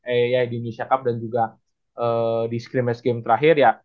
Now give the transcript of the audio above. eh ya di indonesia cup dan juga di screen match game terakhir ya